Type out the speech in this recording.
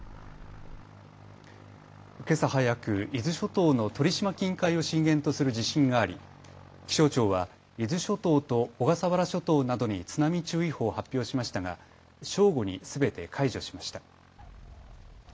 けさ早く、伊豆諸島の鳥島近海を震源とする地震があり気象庁は伊豆諸島と小笠原諸島などに津波注意報を発表しましたが正午にすべて解除しました。